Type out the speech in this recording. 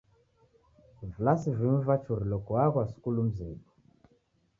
Vilasi vimu vachurilo kuaghwa skulu mzedu.